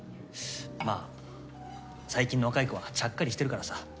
まあ最近の若い子はちゃっかりしてるからさ。